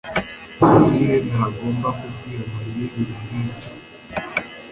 Muhire ntagomba kubwira Mariya ibintu nkibyo.